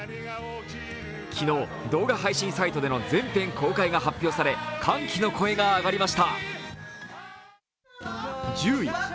昨日、動画配信サイトでの全編公開が発表され、歓喜の声が上がりました。